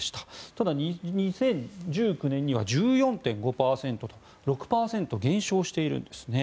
ただ、２０１９年には１４．５％と６％減少しているんです。